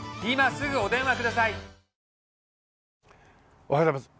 おはようございます。